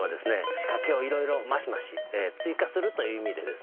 仕掛けをいろいろマシマシ追加するという意味でですね